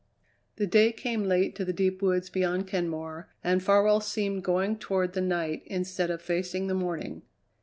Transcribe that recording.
The day came late to the deep woods beyond Kenmore, and Farwell seemed going toward the night instead of facing the morning.